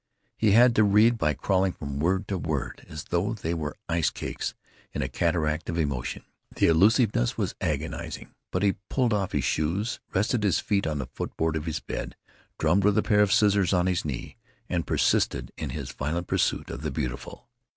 He had to read by crawling from word to word as though they were ice cakes in a cataract of emotion. The allusiveness was agonizing. But he pulled off his shoes, rested his feet on the foot board of his bed, drummed with a pair of scissors on his knee, and persisted in his violent pursuit of the beautiful.